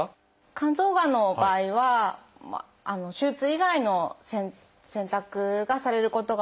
肝臓がんの場合は手術以外の選択がされることが多くて。